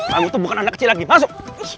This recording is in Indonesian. kamu tuh bukan anak kecil lagi masuk